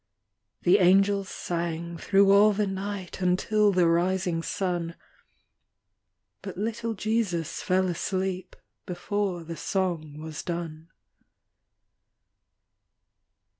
The angels sang thro' all the night Until the rising sun, But little Jesus fell asleep Before the song was done.